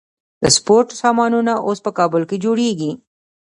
د سپورت سامانونه اوس په کابل کې جوړیږي.